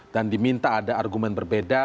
dan diminta ada argumen berbeda